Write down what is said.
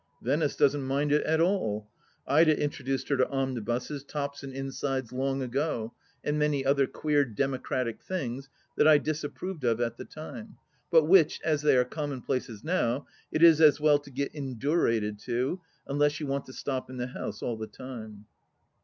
Venice doesn't mind it at all. Ida introduced her to omnibuses, tops and insides, long ago, and many other queer democratic things that I disapproved of at the time, but which, as they are commonplaces now, it is as well to get indurated to, unless you want to stop in the house all the time.